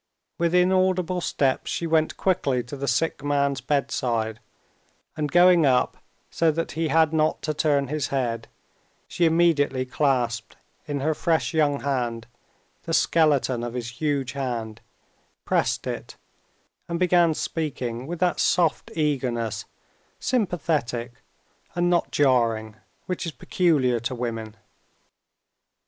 With inaudible steps she went quickly to the sick man's bedside, and going up so that he had not to turn his head, she immediately clasped in her fresh young hand the skeleton of his huge hand, pressed it, and began speaking with that soft eagerness, sympathetic and not jarring, which is peculiar to women.